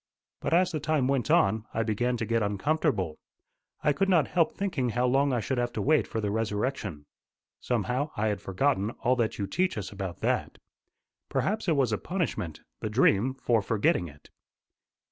But as the time went on, I began to get uncomfortable. I could not help thinking how long I should have to wait for the resurrection. Somehow I had forgotten all that you teach us about that. Perhaps it was a punishment the dream for forgetting it."